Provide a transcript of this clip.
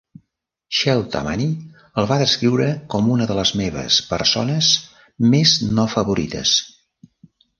Shel Tamany el va descriure com "una de les meves persones més no favorites".